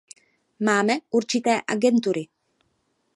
Máme určité agentury.